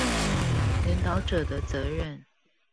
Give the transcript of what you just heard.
領導者的責任